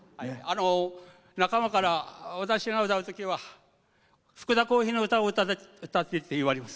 仲間から私が歌うときは福田こうへいの歌を歌ってくれって言われます。